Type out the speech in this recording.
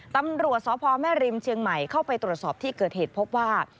ตำรวจสพแม่ริมเชียงใหม่เข้าไปตรวจสอบที่เกิดเหตุพบว่า